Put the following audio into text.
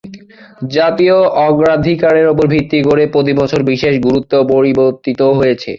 জাতীয় অগ্রাধিকারের উপর ভিত্তি করে প্রতি বছর বিশেষ গুরুত্ব পরিবর্তিত হয়েছে।